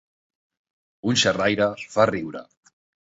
Un xerraire fa riure.